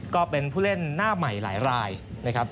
ก็เป็นผู้เล่นหน้าใหม่หลายรายนะครับ